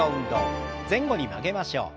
前後に曲げましょう。